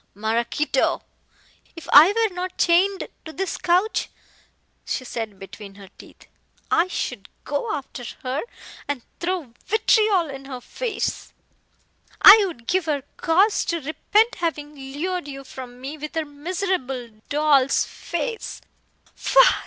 "Maraquito " "If I were not chained to this couch," she said between her teeth, "I should go after her and throw vitriol in her face. I would give her cause to repent having lured you from me with her miserable doll's face.